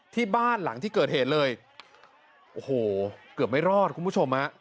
ที่บ้านหลังที่เกิดเหตุเลยโอ้โหเกือบไม่รอดคุณผู้ชมฮะ